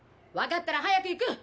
分かったら早く行く！